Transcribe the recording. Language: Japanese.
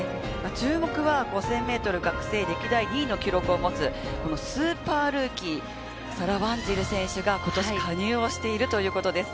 注目は５０００ｍ学生歴代２位の記録を持つ、このスーパールーキー、サラ・ワンジル選手がことし加入をしているということです。